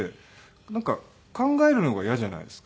なんか考えるのが嫌じゃないですか。